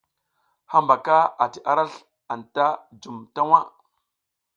Hambaka ati arasl anta jum ta waʼa.